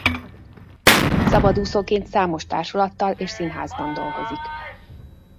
Szabadúszóként számos társulattal és színházban dolgozik.